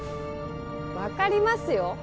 分かりますよ